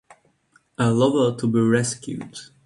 A lover to be rescued.